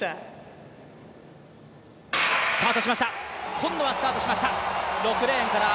今度はスタートしました。